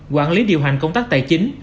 quản lý điều hành công tác tài chính